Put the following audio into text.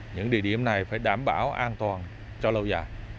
những địa điểm này phải đảm bảo an toàn cho lâu dài